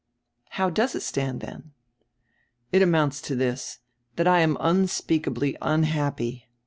"How does it stand then?" "It amounts to this — that I am unspeakably unhappy.